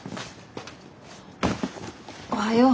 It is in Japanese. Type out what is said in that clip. おはよう。